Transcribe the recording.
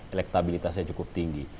elektabilitasnya cukup tinggi